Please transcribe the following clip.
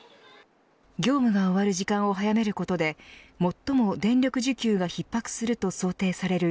業務が終わる時間を早めることで最も電力需給が逼迫すると想定される